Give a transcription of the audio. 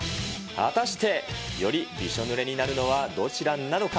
果たしてよりびしょ濡れになるのはどちらなのか。